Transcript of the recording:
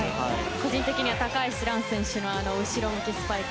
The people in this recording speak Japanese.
個人的には高橋藍選手の後ろ向きスパイク